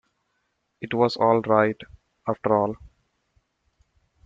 It was all right, after all.